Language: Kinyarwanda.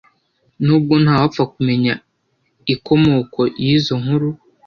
Nubwo nta wapfa kumenya ikomoko y’izo nkuru,